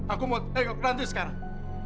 aku mau tengok nanti sekarang